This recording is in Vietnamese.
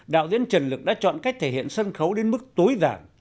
đạo diễn trần lực đã chọn cách thể hiện sân khấu đến mức tối giản